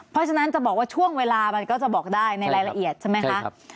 เพราะฉะนั้นจะบอกว่าช่วงเวลามันก็จะบอกได้ในรายละเอียดใช่ไหมคะ